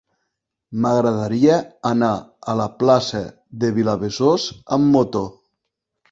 M'agradaria anar a la plaça de Vilabesòs amb moto.